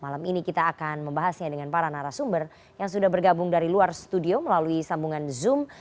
malam ini kita akan membahasnya dengan para narasumber yang sudah bergabung dari luar studio melalui sambungan zoom